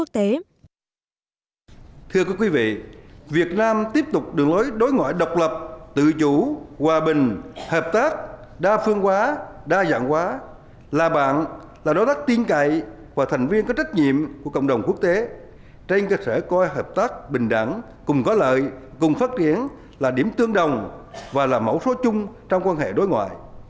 thưa quý vị việt nam tiếp tục đường lối đối ngoại độc lập tự chủ hòa bình hợp tác đa phương hóa đa dạng hóa là bạn là đối tác tiên cậy và thành viên có trách nhiệm của cộng đồng quốc tế trên cơ sở coi hợp tác bình đẳng cùng có lợi cùng phát triển là điểm tương đồng và là mẫu số chung trong quan hệ đối ngoại